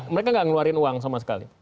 mereka nggak ngeluarin uang sama sekali